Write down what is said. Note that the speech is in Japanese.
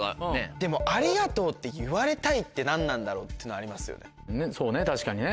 でも「ありがとう」って言われたいって何なんだろうっていうのありますよね。